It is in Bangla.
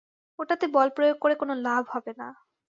ওটাতে বল প্রয়োগ করে কোনো লাভ হবে না।